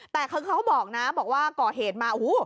แต่เขาบอกนะบอกว่าก่อเหตุมาโอ้โห